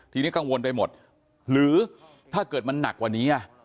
ทีนี้กังวลไปหมดหรือถ้าเกิดมันหนักกว่านี้